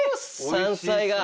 山菜が！